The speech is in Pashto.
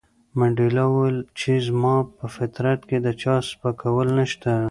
منډېلا وویل چې زما په فطرت کې د چا سپکول نشته.